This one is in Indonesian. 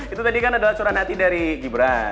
itu tadi kan adalah curan hati dari gibran